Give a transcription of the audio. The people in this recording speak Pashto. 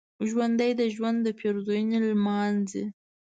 ژوندي د ژوند پېرزوینې لمانځي